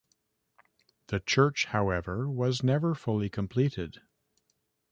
The church, however, was never fully completed.